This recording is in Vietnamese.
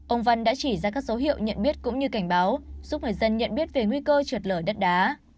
ông văn đã chỉ ra các dấu hiệu nhận biết cũng như cảnh báo giúp người dân nhận biết về nguy cơ trượt lở đất đá